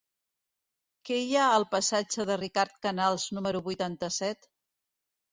Què hi ha al passatge de Ricard Canals número vuitanta-set?